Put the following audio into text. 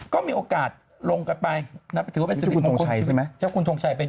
ก็มีโอกาสลงกันไปนับถือว่าเป็นสฤทธิ์มงคต